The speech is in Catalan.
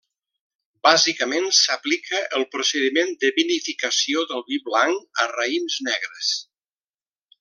Bàsicament s'aplica el procediment de vinificació del vi blanc a raïms negres.